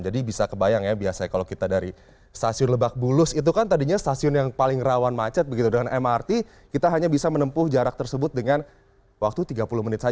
jadi bisa kebayang ya biasanya kalau kita dari stasiun lebak bulus itu kan tadinya stasiun yang paling rawan macet begitu dengan mrt kita hanya bisa menempuh jarak tersebut dengan waktu tiga puluh menit